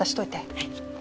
はい。